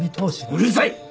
うるさい！